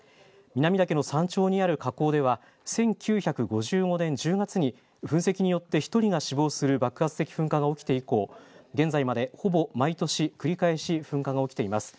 南岳の山頂にある火口では１９５５年１０月に噴石によって１人が死亡する爆発的噴火が起きて以降、現在まで、ほぼ毎年、繰り返し噴火が起きています。